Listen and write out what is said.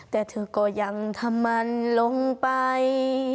แต่เธอก็ยังทำมันลงไป